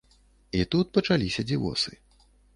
І тут пачаліся дзівосы.